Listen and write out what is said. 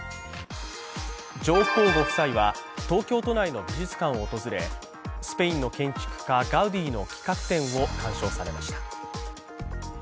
上皇ご夫妻は東京都内の美術館を訪れ、スペインの建築家・ガウディの企画展を鑑賞されました。